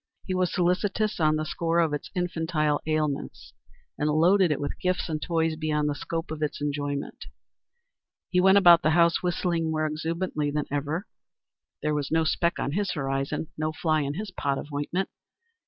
He was solicitous on the score of its infantile ailments, and loaded it with gifts and toys beyond the scope of its enjoyment. He went about the house whistling more exuberantly than ever. There was no speck on his horizon; no fly in his pot of ointment.